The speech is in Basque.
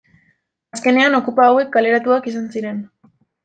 Azkenean, okupa hauek kaleratuak izan ziren.